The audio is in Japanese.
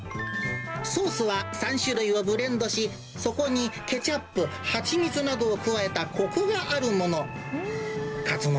ソースは３種類をブレンドし、そこにケチャップ、蜂蜜などを加えたこくがあるもの。